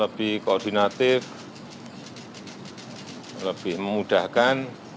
lebih koordinatif lebih memudahkan